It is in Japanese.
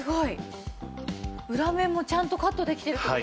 裏面もちゃんとカットできてるって事ですね。